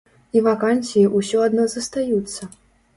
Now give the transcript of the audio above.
І вакансіі ўсё адно застаюцца!